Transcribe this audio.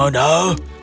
aku sudah berhenti